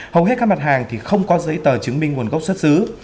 hầu hết các mặt hàng thì không có giấy tờ chứng minh nguồn gốc xuất xứ